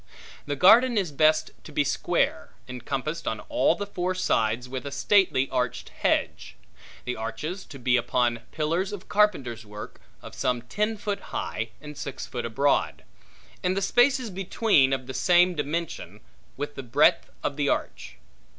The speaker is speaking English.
The garden is best to be square, encompassed on all the four sides with a stately arched hedge. The arches to be upon pillars of carpenter's work, of some ten foot high, and six foot broad; and the spaces between of the same dimension with the breadth of the arch.